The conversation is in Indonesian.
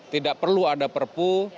tidak perlu ada perpu